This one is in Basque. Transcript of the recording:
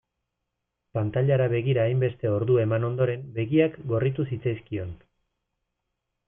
Pantailara begira hainbeste ordu eman ondoren begiak gorritu zitzaizkion.